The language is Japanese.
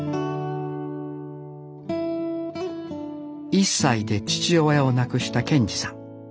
１歳で父親を亡くした賢次さん。